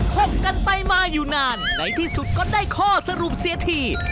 คบกันไปมาอยู่นานในที่สุดก็ได้ข้อสรุปเสียที